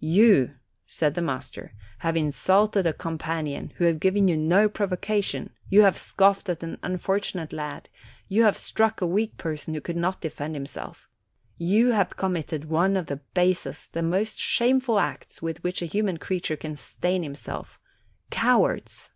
'You," said the master, "have insulted a companion who had given you no provocation ; you have scoffed at an unfortunate lad, you have struck a weak person who could not defend himself. You have committed one of the basest, the most shameful acts with which a human creature can stain himself. Cowards!"